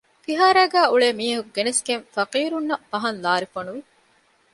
ފިހާރައިގައި އުޅޭ މީހަކު ގެނެސްގެން ފަޤީރުންނަށް ބަހަން ލާރި ފޮނުވި